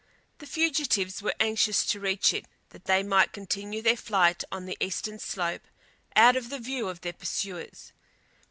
The fugitives were anxious to reach it that they might continue their flight on the eastern slope out of the view of their pursuers.